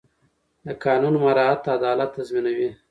د قانون مراعت عدالت تضمینوي